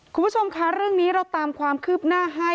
คุณผู้ชมคะเรื่องนี้เราตามความคืบหน้าให้